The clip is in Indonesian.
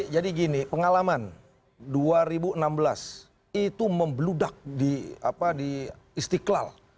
jadi gini pengalaman dua ribu enam belas itu membludak di istiqlal